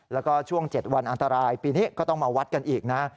แล้วก็ช่วง๗วันอันตรายปีนี้ก็ต้องมาวัดกันอีกนะ